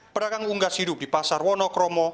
pedagang unggas hidup di pasar wonokromo